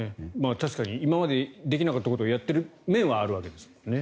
確かに今までできなかったことをやってる面はあるんですよね。